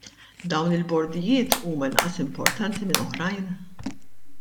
Dawn il-bordijiet huma inqas importanti minn oħrajn?